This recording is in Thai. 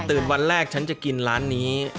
วันแรกฉันจะกินร้านนี้